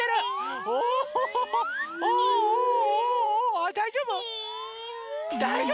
あだいじょうぶ？